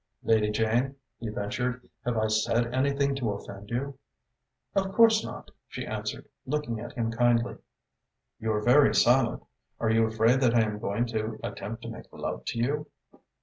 "Lady Jane," he ventured, "have I said anything to offend you?" "Of course not," she answered, looking at him kindly. "You are very silent. Are you afraid that I am going to attempt to make love to you?"